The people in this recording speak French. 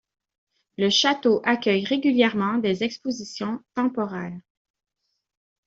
Le château accueille régulièrement des expositions temporaires.